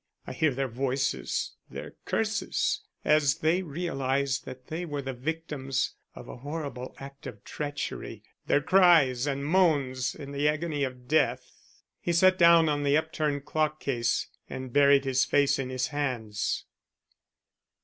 I hear their voices their curses as they realized that they were the victims of a horrible act of treachery, their cries and moans in the agony of death." He sat down on the upturned clock case and buried his face in his hands.